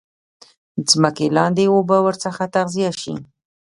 ځمکې لاندي اوبه ورڅخه تغذیه شي.